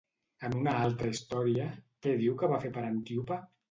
En una altra història, què diu que va fer per Antíope?